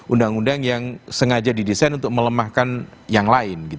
undang undang yang sengaja didesain untuk melemahkan yang lain